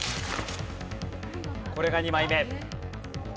これが２枚目。